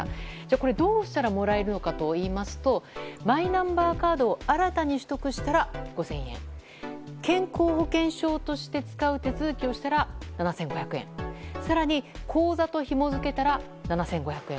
これ、どうしたらもらえるのかといいますとマイナンバーカードを新たに取得したら５０００円健康保険証として使う手続きをしたら７５００円更に口座とひもづけたら７５００円。